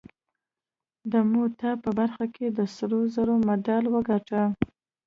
د موی تای په برخه کې د سرو زرو مډال وګاټه